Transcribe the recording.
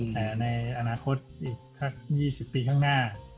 แต่ในอนาคตอีกสัก๒๐ปีข้างหน้า